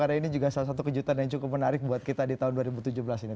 karena ini juga salah satu kejutan yang cukup menarik buat kita di tahun dua ribu tujuh belas ini